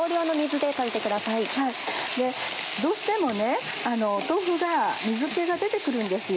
どうしてもね豆腐が水気が出て来るんですよ。